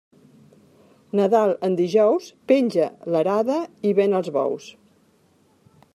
Nadal en dijous, penja l'arada i ven els bous.